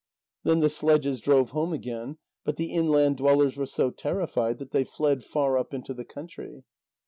Then the sledges drove home again, but the inland dwellers were so terrified that they fled far up into the country.